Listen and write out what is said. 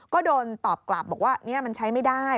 ก็โดนตอบกลับบอกว่ามันใช้ไม่ได้